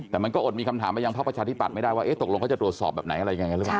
แต่มันก็อดมีคำถามมายังภาคประชาธิบัตย์ไม่ได้ว่าตกลงเขาจะตรวจสอบแบบไหนอะไรยังไงกันหรือเปล่า